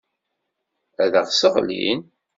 Ad aɣ-sseɣlin.